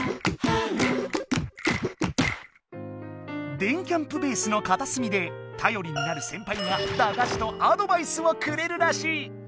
電キャんぷベースのかたすみでたよりになる先輩が駄菓子とアドバイスをくれるらしい。